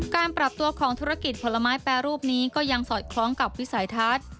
การปรับตัวของธุรกิจผลไม้แปรรูปนี้ก็ยังสอดคล้องกับวิสัยทัศน์